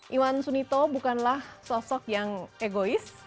iwan sunito bukanlah sosok yang egois